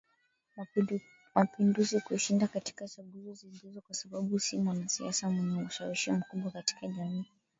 mapinduzi kushinda katika chaguzo zijazo kwa sababu si mwanasiasa mwenye ushawishi mkubwa katika jamii